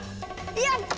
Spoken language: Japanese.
やった！